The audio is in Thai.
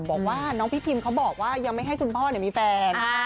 บอกว่าน้องพี่พิมเขาบอกว่ายังไม่ให้คุณพ่อมีแฟน